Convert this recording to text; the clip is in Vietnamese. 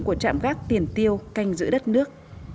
của trạm gác tiền tiêu canh giữ đất nước